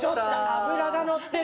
脂がのってる。